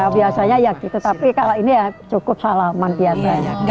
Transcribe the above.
ya biasanya ya gitu tapi kalau ini ya cukup salaman biasanya